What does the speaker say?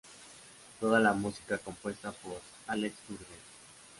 Toda la música compuesta por Alex Turner.